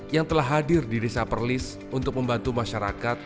yang telah hadir di desa perlis untuk membantu masyarakat